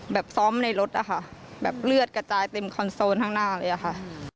แบบซ้อมในรถอะค่ะแบบเลือดกระจายเต็มคอนโซลข้างหน้าเลยอะค่ะ